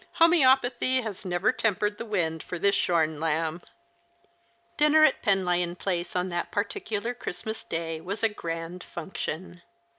Homoeopathy has never tempered the wind for this shorn lamb." Dinner at Penlyon Place on that particular Christmas Day was a grand function.